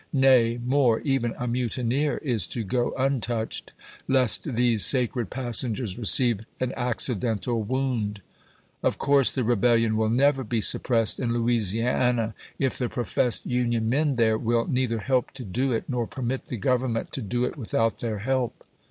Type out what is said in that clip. Nay, more : even a mutineer is to go untouched, lest these sacred passengers receive an accidental wound. Of course the rebellion will never be suppressed in Louisiana if the professed Union men there will neither help to do it nor permit the Government to EMANCIPATION ANNOUNCED 151 do it without their help.